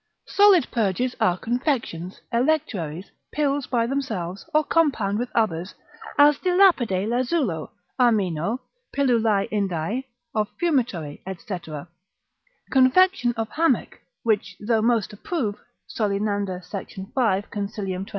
Solid purges are confections, electuaries, pills by themselves, or compound with others, as de lapide lazulo, armeno, pil. indae, of fumitory, &c. Confection of Hamech, which though most approve, Solenander sec. 5. consil. 22.